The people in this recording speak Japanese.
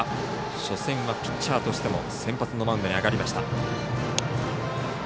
初戦はピッチャーとしても先発のマウンドに上がりました。